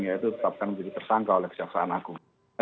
yaitu tetapkan menjadi tersangka oleh kejaksaan agung